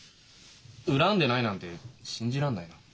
恨んでないなんて信じらんないな。